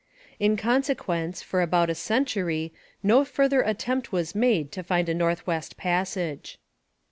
In consequence, for about a century no further attempt was made to find a North West Passage.